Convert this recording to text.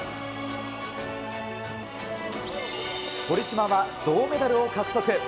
堀島は銅メダルを獲得。